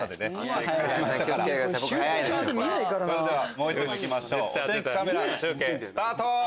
もう一問いきましょうお天気カメラ中継スタート！